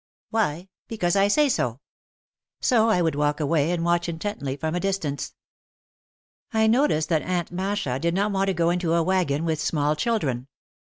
"Why? Because I say so!" So I would walk away and watch intently from a distance. I noticed that Aunt Masha did not want to go into a wagon with small children.